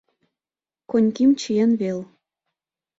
Коньким чиен вел